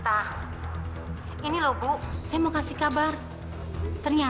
ada di ruangan perawatannya